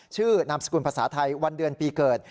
นามสกุลภาษาไทยวันเดือนปีเกิด